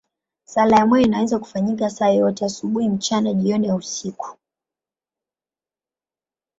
Sala ya moyo inaweza kufanyika saa yoyote, asubuhi, mchana, jioni au usiku.